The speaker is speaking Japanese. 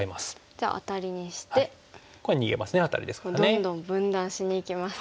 どんどん分断しにいきます。